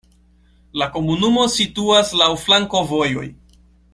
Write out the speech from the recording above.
La komunumo situas laŭ flankovojoj.